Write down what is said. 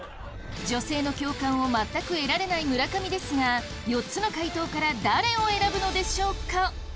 女性の共感を全く得られない村上ですが４つの回答から誰を選ぶのでしょうか。